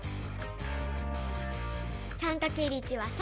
３×１は３。